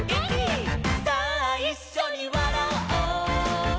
さあいっしょにわらおう」